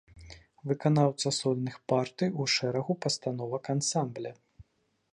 Выканаўца сольных партый у шэрагу пастановак ансамбля.